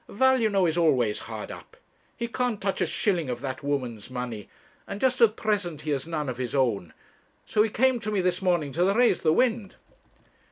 Val, you know, is always hard up; he can't touch a shilling of that woman's money, and just at present he has none of his own. So he came to me this morning to raise the wind.'